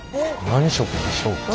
何色でしょうか。